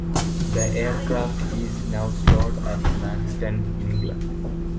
The aircraft is now stored at Manston, England.